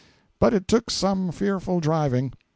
But it took some fearful driving.